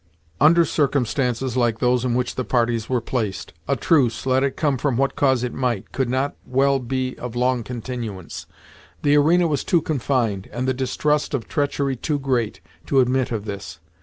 Under circumstances like those in which the parties were placed, a truce, let it come from what cause it might, could not well be of long continuance. The arena was too confined, and the distrust of treachery too great, to admit of this.